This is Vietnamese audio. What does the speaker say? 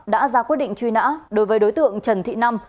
đã ra quyết định truy nã đối với đối tượng trần thị năm